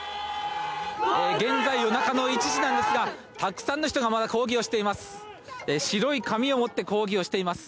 現在夜中の１時なんですがたくさんの人がまだ抗議をしています。